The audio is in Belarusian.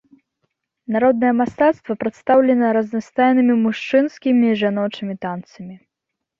Народнае мастацтва прадстаўлена разнастайнымі мужчынскімі і жаночымі танцамі.